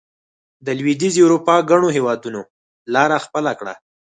د لوېدیځې اروپا ګڼو هېوادونو لار خپله کړه.